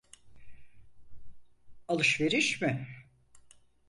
Alışveriş mi?